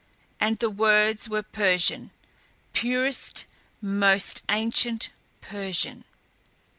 And the words were Persian purest, most ancient Persian.